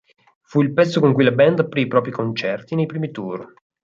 Fu il pezzo con cui la band aprì i propri concerti nei primi tour.